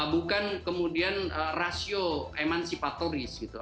bukan kemudian rasio emancipatoris gitu